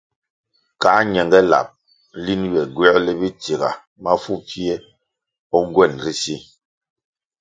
Ka ñenge lab linʼ ywe gywēle bitsiga mafu pfie o ngwenʼ ri si,